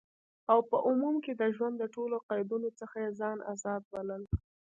او په عموم کی د ژوند د ټولو قیدونو څخه یی ځان آزاد بلل،